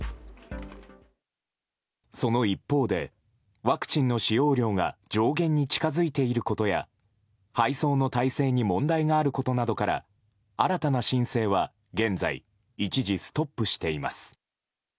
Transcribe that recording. その一方で、ワクチンの使用量が上限に近づいていることや配送の体制に問題があることなどから新たな申請は現在、一時ストップしています。